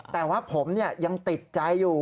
แต่ว่าผมยังติดใจอยู่